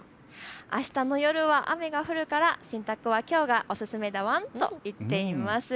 あしたの夜は雨が降るから洗濯はきょうがお勧めだワンと言っています。